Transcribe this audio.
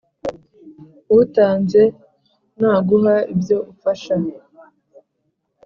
untanze naguha ibyo ufasha